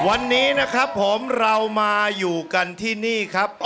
วันนี้นะครับผมเรามาอยู่กันที่นี่ครับ